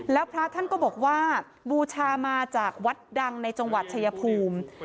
แล้วพระท่านก็บอกว่าบูชามาจากวัดดังในจังหวัดชายภูมิ